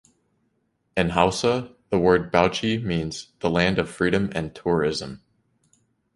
In Hausa the word Bauchi means "the land of freedom and tourism".